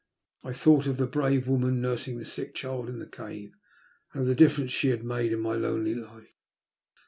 I thought of the brave woman nursing the sick child in the cave, and of the difference she had made in my lonely life.